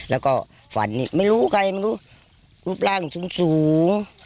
แล้วก็ฝันนี่ไม่รู้ใครมันก็รูปร่างสูง